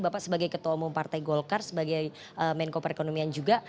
bapak sebagai ketua umum partai golkar sebagai menko perekonomian juga